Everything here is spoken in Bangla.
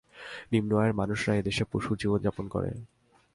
নিম্ন আয়ের মানুষরা এ-দেশে পশুর জীবনযাপন করে।